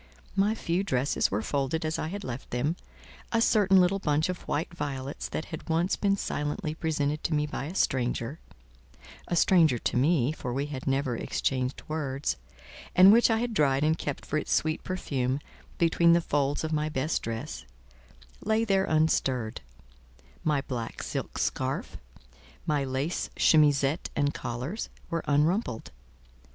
My few dresses were folded as I had left them; a certain little bunch of white violets that had once been silently presented to me by a stranger (a stranger to me, for we had never exchanged words), and which I had dried and kept for its sweet perfume between the folds of my best dress, lay there unstirred; my black silk scarf, my lace chemisette and collars, were unrumpled.